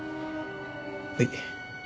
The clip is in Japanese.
はい。